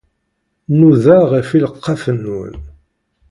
Nnuda ɣef ileqqafen-nwen.